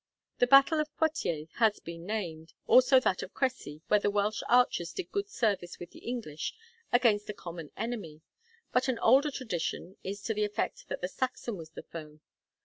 The battle of Poictiers has been named; also that of Cressy, where the Welsh archers did good service with the English against a common enemy; but an older tradition is to the effect that the Saxon was the foe.